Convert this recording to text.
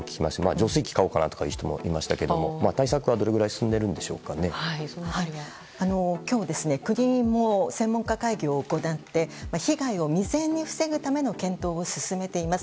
浄水器を買おうかなという人もいましたけれども対策は、どれぐらい今日、国も専門家会議を行って被害を未然に防ぐための検討を進めています。